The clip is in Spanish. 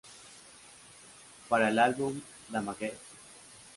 Para el álbum "Damaged".